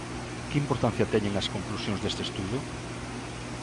Que importancia teñen as conclusións deste estudo?